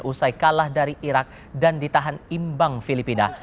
usai kalah dari irak dan ditahan imbang filipina